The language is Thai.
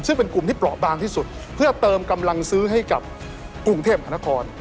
ซึ่งเป็นกลุ่มที่เปราะบางที่สุดเพื่อเติมกำลังซื้อให้กับกรุงเทพหานคร